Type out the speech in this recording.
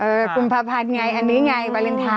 กุมภาพันธ์ไงอันนี้ไงวาเลนไทย